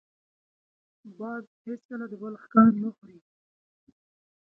باز هېڅکله د بل ښکار نه خوري